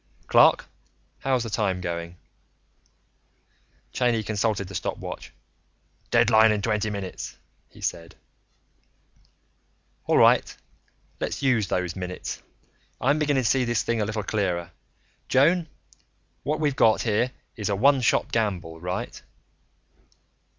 "Clark, how's the time going?" Cheyney consulted the stopwatch. "Deadline in twenty nine minutes," he said. "All right, let's use those minutes. I'm beginning to see this thing a little clearer. Joan, what we've got here is a one shot gamble; right?"